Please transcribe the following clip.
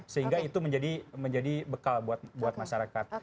sehingga itu menjadi bekal buat masyarakat